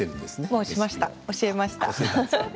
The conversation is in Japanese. もう教えました。